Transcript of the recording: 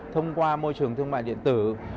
thông qua môi trường thương mại điện tử